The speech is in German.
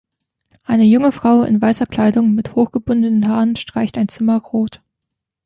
Eine junge Frau in weißer Kleidung mit hochgebundenen Haaren streicht ein Zimmer rot.